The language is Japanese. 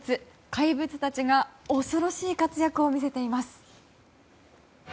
怪物たちが恐ろしい活躍を見せています。